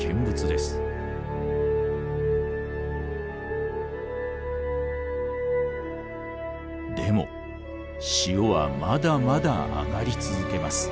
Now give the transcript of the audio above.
でも潮はまだまだ上がり続けます。